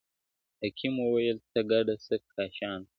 حاکم وویل ته کډه سه کاشان ته-